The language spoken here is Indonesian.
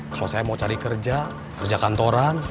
kalau saya mau cari kerja kerja kantoran